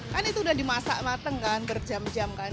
kan itu sudah dimasak matang kan berjam jam kan